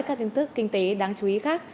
các tin tức kinh tế đáng chú ý khác